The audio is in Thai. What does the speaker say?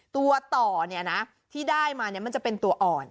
ตัวต่อเนี่ยนะที่ได้มาเนี่ยมันจะเป็นตัวอ่อน